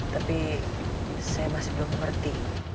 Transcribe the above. tapi saya masih belum mengerti